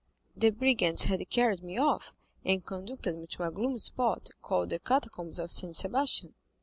The brigands had carried me off, and conducted me to a gloomy spot, called the Catacombs of Saint Sebastian."